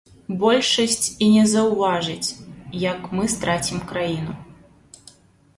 Большасць і не заўважыць, як мы страцім краіну.